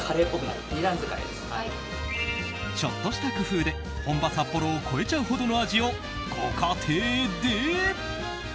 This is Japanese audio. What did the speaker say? ちょっとした工夫で本場・札幌を超えちゃうほどの味をご家庭で。